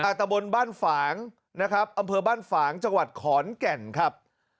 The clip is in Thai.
ตะบนบ้านฝางนะครับอำเภอบ้านฝางจังหวัดขอนแก่นครับ